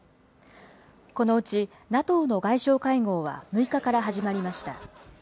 このうち、ＮＡＴＯの外相会合は６日から始まりました。